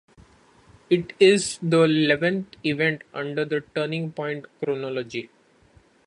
It is the eleventh event under the Turning Point chronology.